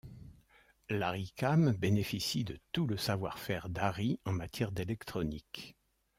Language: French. L'Arricam bénéficie de tout le savoir-faire d'Arri en matière d'électronique.